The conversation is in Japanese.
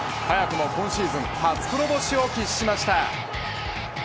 早くも今シーズン初黒星を喫しました。